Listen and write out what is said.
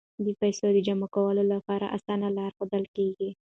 د پیسو د جمع کولو لپاره اسانه لارې ښودل کیږي.